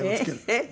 えっ？